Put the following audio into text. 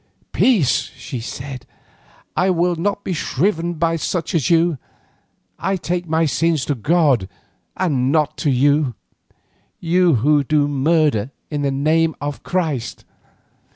"Peace!" she said, "I will not be shriven by such as you. I take my sins to God and not to you—you who do murder in the name of Christ."